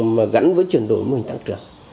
và gắn với chuyển đổi mô hình tăng trưởng